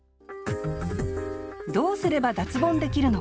どうすれば脱ボンできるのか。